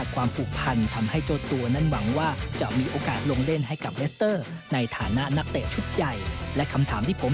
ความฝันตั้งแต่เด็กแล้วก็